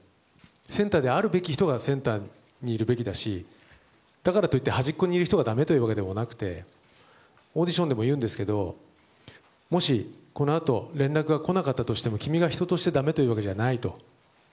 センターであるべき人がセンターにいるべきだしだからといって端っこにいる人がだめだというわけではなくてオーディションでも言うんですがもし、このあと連絡が来なかったとしても君が人としてだめということではないと。